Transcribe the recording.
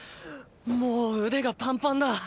もう腕がパンパンだ。